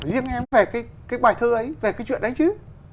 riêng em về cái bài thơ ấy về cái chuyện đánh chứ